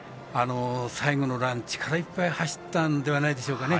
最後のラン、力いっぱい走ったんじゃないでしょうかね。